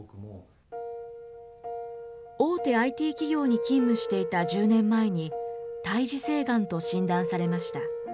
大手ＩＴ企業に勤務していた１０年前に、胎児性がんと診断されました。